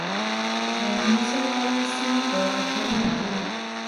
د موسی قلعه سیند په هلمند کې دی